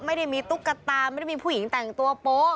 ไม่ได้มีตุ๊กตาไม่ได้มีผู้หญิงแต่งตัวโป๊ะ